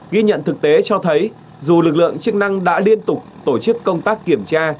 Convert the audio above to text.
ghi nhận thực tế cho thấy dù lực lượng chức năng đã liên tục tổ chức công tác kiểm tra